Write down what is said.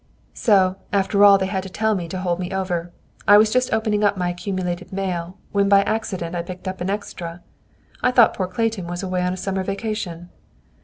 "So, after all they had to tell me to hold me over, I was just opening my accumulated mail, when by accident I picked up an extra. I thought poor Clayton was away on a summer vacation."